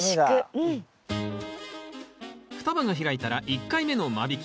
双葉が開いたら１回目の間引き。